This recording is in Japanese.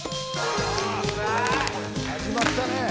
始まったね。